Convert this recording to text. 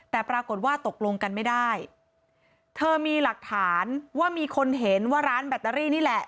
แต่ปรากฏว่าตกลงกันไม่ได้เธอมีหลักฐานว่ามีคนเห็นว่าร้านแบตเตอรี่นี่แหละ